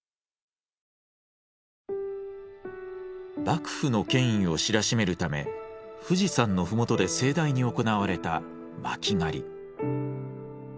幕府の権威を知らしめるため富士山の麓で盛大に行われた巻狩り。